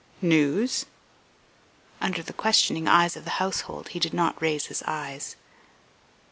"News?" Under the questioning eyes of the household he did not raise his eyes.